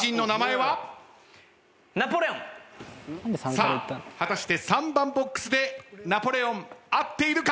さあ果たして３番ボックスでナポレオン合っているか！？